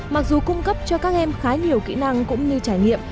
mặc dù cung cấp cho các em khá nhiều kỹ năng cũng như trải nghiệm